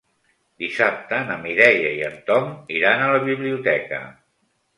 Dissabte na Mireia i en Tom iran a la biblioteca.